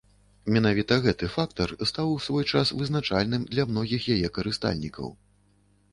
Менавіта гэты фактар стаў у свой час вызначальным для многіх яе карыстальнікаў.